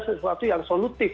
sesuatu yang solutif